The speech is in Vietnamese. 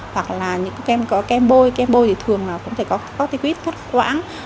hoặc là những kem có kem bôi kem bôi thì thường là cũng có có tí quýt các quãng